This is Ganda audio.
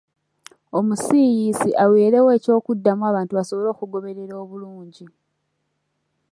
Omusiiyiisi aweerewo ekyokuddamu abantu basobole okugoberera obulungi.